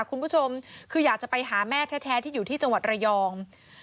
คุณผู้ชมคืออยากจะไปหาแม่แท้ที่อยู่ที่จังหวัดระยอง